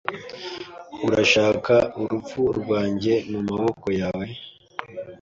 Urashaka urupfu rwanjye mumaboko yawe